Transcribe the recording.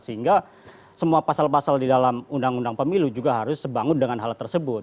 sehingga semua pasal pasal di dalam undang undang pemilu juga harus sebangun dengan hal tersebut